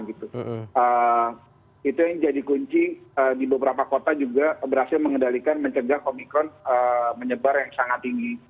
itu yang jadi kunci di beberapa kota juga berhasil mengendalikan mencegah omikron menyebar yang sangat tinggi